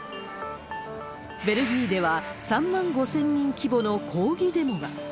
ベルギーでは３万５０００人規模の抗議デモが。